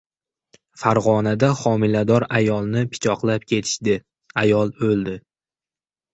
Farg‘onada homilador ayolni pichoqlab ketishdi. Ayol o‘ldi